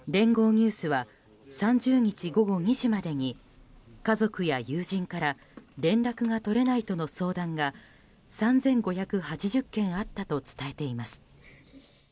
ニュースは３０日午後２時までに家族や友人から連絡が取れないとの相談が３５８０件あったと伝えています。